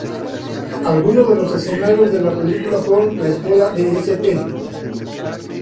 Algunos de los escenarios de la película fueron la Escuela de St.